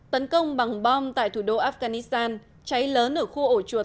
tấn công bằng bom tại thủ đô afghanistan cháy lớn ở khu ổ chuột